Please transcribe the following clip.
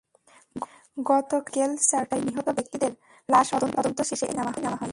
গতকাল বিকেল চারটায় নিহত ব্যক্তিদের লাশ ময়নাতদন্ত শেষে এলাকায় নেওয়া হয়।